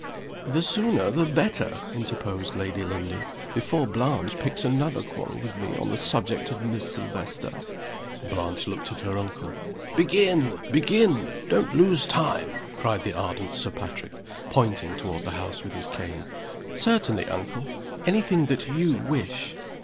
"The sooner the better," interposed Lady Lundie; "before Blanche picks another quarrel with me on the subject of Miss Silvester." Blanche looked at her uncle. "Begin! begin! Don't lose time!" cried the ardent Sir Patrick, pointing toward the house with his cane. "Certainly, uncle! Any thing that you wish!"